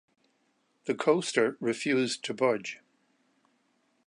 The coaster refused to budge.